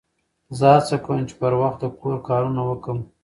زه هڅه کوم، چي پر وخت د کور کارونه وکم.